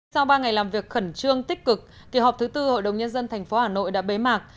sau ba ngày làm việc khẩn trương tích cực kỳ họp thứ tư hội đồng nhân dân tp hà nội đã bế mạc